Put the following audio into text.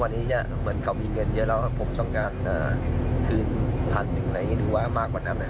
ส่วนที่มีเงินเยอะแล้วต้องการคืน๑๐๐๐บาทมากกว่านั้น